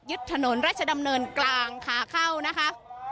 ถนนราชดำเนินกลางขาเข้านะคะ